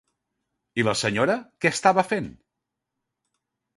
I la senyora, què estava fent?